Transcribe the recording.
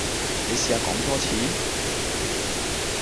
你試下講多次?